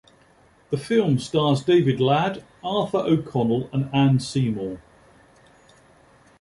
The film stars David Ladd, Arthur O'Connell and Anne Seymour.